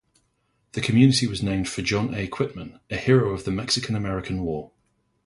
The community was named for John A. Quitman, a hero of the Mexican-American War.